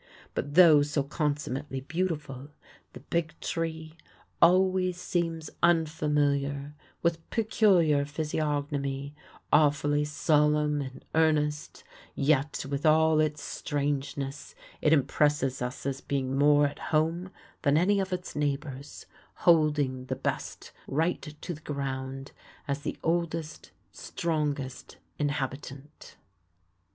But though so consummately beautiful, the Big Tree always seems unfamiliar, with peculiar physiognomy, awfully solemn and earnest; yet with all its strangeness it impresses us as being more at home than any of its neighbors, holding the best right to the ground as the oldest, strongest inhabitant."